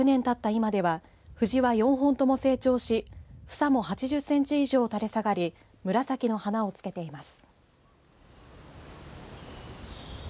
今ではふじは４本とも成長し房も８０センチ以上、垂れ下がり紫の花をつけています。